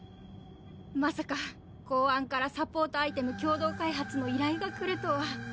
まさか公安からサポートアイテム共同開発の依頼がくるとは。